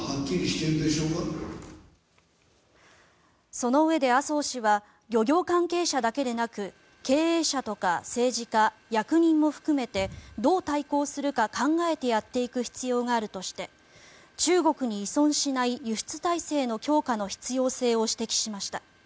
そのうえで麻生氏は漁業関係者だけでなく経営者とか政治家、役人も含めてどう対抗するか考えてやっていく必要があるとして中国に依存しない輸出体制の強化の必要性を指摘しました。